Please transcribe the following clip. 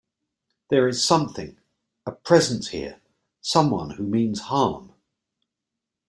There is something — a presence here — some one who means harm!